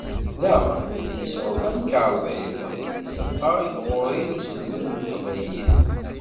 Daɣen, ad yesɛu tamkarḍit akked tzeqqa i tɣuri d uselmed n teqbaylit.